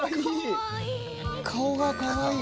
顔がかわいい。